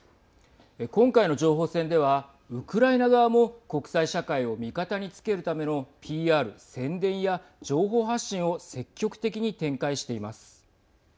今回の情報戦ではウクライナ側も国際社会を味方につけるためのＰＲ、宣伝や情報発信を積極的に展開しています。